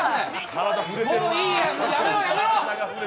もういいやめろ、やめろ！